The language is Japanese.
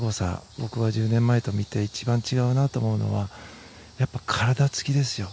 僕は１０年前と見て一番違うなと思うのはやっぱり体つきですよ。